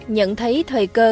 nhận thấy thời cơ